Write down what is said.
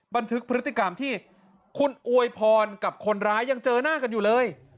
บันทึกพฤติกรรมที่คุณอวยพรกับคนร้ายยังเจอหน้ากันอยู่เลย